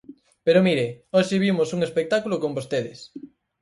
Pero mire, hoxe vimos un espectáculo con vostedes.